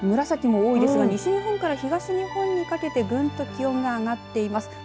紫も多いですが西日本から東日本にかけてぐんと気温が上がっています。